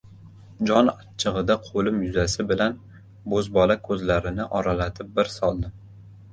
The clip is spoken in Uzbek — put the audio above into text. Jon achchig‘ida qo‘lim yuzasi bilan bo‘zbola ko‘zlarini oralatib bir soldim.